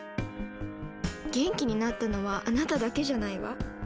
元気になったのはあなただけじゃないわ。